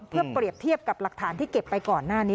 เพื่อเปรียบเทียบกับหลักฐานที่เก็บไปก่อนหน้านี้